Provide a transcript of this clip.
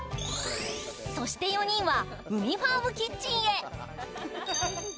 そして４人は、うみファームキッチンへ。